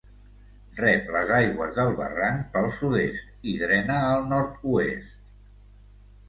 Rep les aigües del barranc pel sud-est i drena al nord-oest.